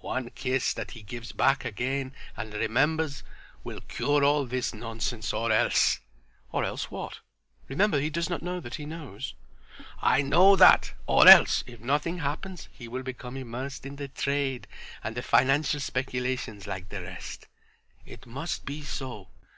One kiss that he gives back again and remembers will cure all this nonsense or else"— "Or else what? Remember he does not know that he knows." "I know that. Or else, if nothing happens he will become immersed in the trade and the financial speculations like the rest. It must be so.